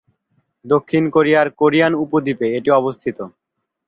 দক্ষিণ কোরিয়ার কোরিয়ান উপদ্বীপে এটি অবস্থিত।